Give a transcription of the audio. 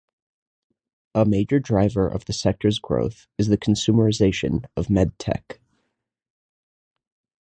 A major driver of the sector's growth is the consumerization of medtech.